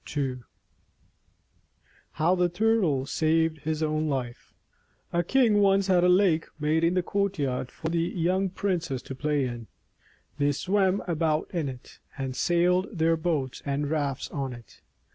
II HOW THE TURTLE SAVED HIS OWN LIFE A KING once had a lake made in the courtyard for the young princes to play in. They swam about in it, and sailed their boats and rafts on it.